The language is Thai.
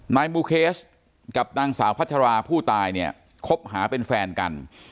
นายบูเคสกับนางสาวพัชราผู้ตายเนี่ยคบหาเป็นแฟนกัน